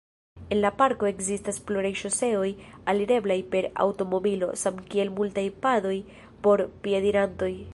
En la parko ekzistas pluraj ŝoseoj alireblaj per aŭtomobilo, samkiel multaj padoj por piedirantoj.